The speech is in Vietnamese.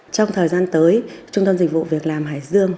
trong thời gian tới trung tâm dịch vụ việc làm hải dương